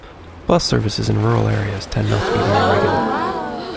Bus services in rural areas tend not to be very regular.